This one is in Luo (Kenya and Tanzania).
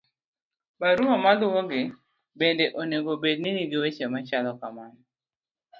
barua maluwogi bende onego bed ni nigi weche machalo kama